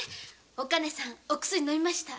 お兼さんお薬飲みました。